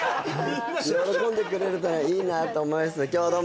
喜んでくれてたらいいなと思います